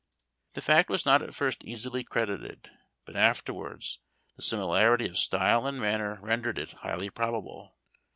The fact was not at first easily credited; but afterwards the similarity of style and manner rendered it highly probable.